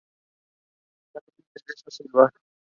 Carmen Teresa Silva.